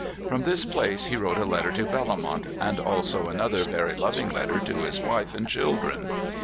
From this place he wrote a letter to Bellomont, and also another very loving letter to his wife and children.